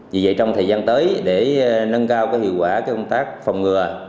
vì vậy trong thời gian tới để nâng cao hiệu quả công tác phòng ngừa